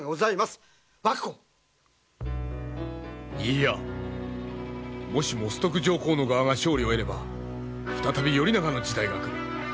いいやもしも崇徳上皇の側が勝利を得れば再び頼長の時代が来る。